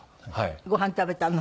ご飯食べたの。